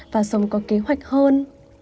và sống có kế hoạch hơn